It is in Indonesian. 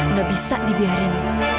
gak bisa dibiarin